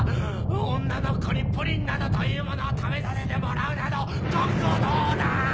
女の子にプリンなどというものを食べさせてもらうなど言語道断！